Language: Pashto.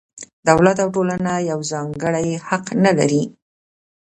دولت او ټولنه یو ځانګړی حق نه لري.